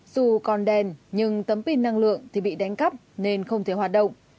dù còn đèn nhưng tấm pin năng lượng thì bị đánh cắp nên không thể hoạt động